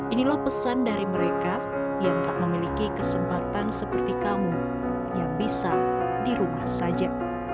inilah pesan dari mereka yang tak memiliki kesempatan seperti kamu yang bisa di rumah saja